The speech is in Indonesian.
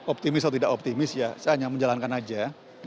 optimis atau tidak optimis ya saya hanya menjalankan aja